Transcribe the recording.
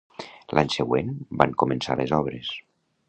L'any següent, van començar les obres.